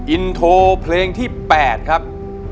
อินโทรเพลงที่๘ครับ